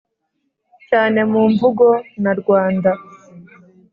cyane mu mvugo na rwanda!